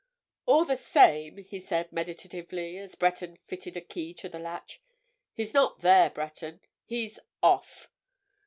"All the same," he said meditatively as Breton fitted a key to the latch, "he's not there, Breton. He's—off!"